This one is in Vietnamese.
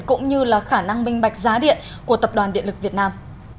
cũng như là khả năng minh bạch giá điện của tập đoàn điện lực việt nam